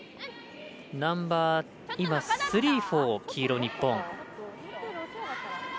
ナンバースリー、フォー黄色、日本。